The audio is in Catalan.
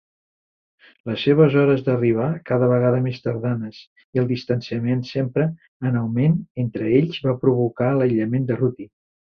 Les seves hores d'arribar cada vegada més tardanes i el distanciament sempre en augment entre ells va provocar l'aïllament de Ruttie.